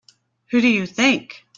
Who do you think?